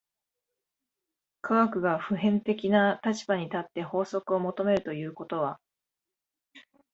科学が普遍的な立場に立って法則を求めるということは、